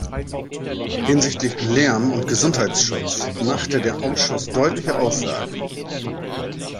Hinsichtlich Lärm- und Gesundheitsschutz machte der Ausschuss deutliche Aussagen.